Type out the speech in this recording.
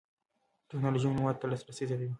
ټکنالوژي معلوماتو ته لاسرسی زیاتوي.